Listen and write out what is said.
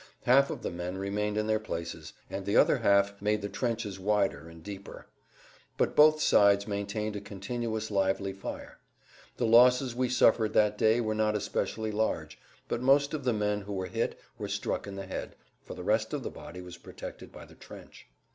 Half of the men remained in their places, and the other half made the trenches wider and deeper. But both sides maintained a continuous lively fire. The losses we suffered that day were not especially large, but most of the men who were hit were struck in the[Pg 126] head, for the rest of the body was protected by the trench.